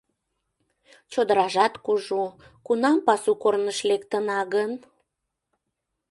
— Чодыражат кужу, кунам пасу корныш лектына гын?